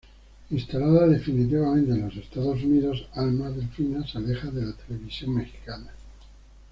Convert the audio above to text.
Instalada definitivamente en los Estados Unidos, Alma Delfina se aleja de la televisión mexicana.